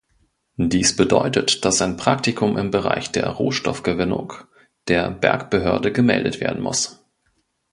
Dies bedeutet, dass ein Praktikum im Bereich der Rohstoffgewinnung der Bergbehörde gemeldet werden muss.